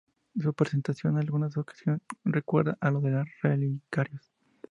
Su presentación en algunas ocasiones recuerda a la de los relicarios.